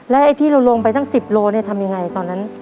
ไอ้ที่เราลงไปตั้ง๑๐โลทำยังไงตอนนั้น